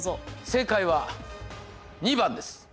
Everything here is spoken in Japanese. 正解は２番です。